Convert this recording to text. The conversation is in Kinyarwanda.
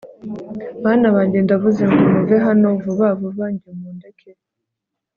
bana banjye ndavuze ngo muve hano vuba vuba njye mundeke